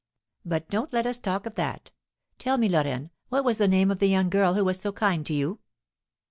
But don't let us talk of that! Tell me, Lorraine, what was the name of the young girl who was so kind to you?"